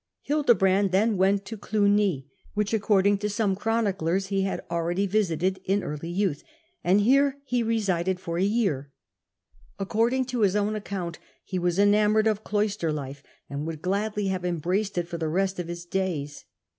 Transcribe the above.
Hildebrand then went to Clugny (which accord ing to some chroniclers he had already visited in early youth), and here he resided for a year. According to his own account he was enamoured of cloister life, and would gladly have embraced it for the rest of his days.